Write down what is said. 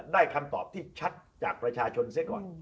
ได้คำตอบที่ชัดจากประชาชนซะก่อน